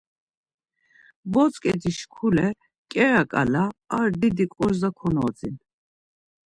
Botzǩedi şkule ǩera ǩala ar didi ǩorza konodzin.